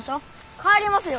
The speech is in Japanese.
帰りますよ。